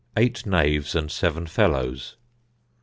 Eight knaves and seven felloes.